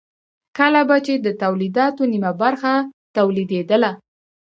کله به چې د تولیداتو نیمه برخه تولیدېدله